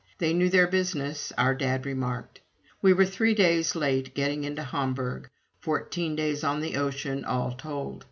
"They knew their business," our dad remarked. We were three days late getting into Hamburg fourteen days on the ocean, all told.